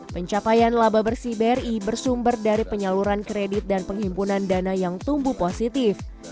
pencapaian laba bersih bri bersumber dari penyaluran kredit dan penghimpunan dana yang tumbuh positif